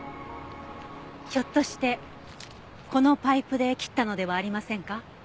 ひょっとしてこのパイプで切ったのではありませんか？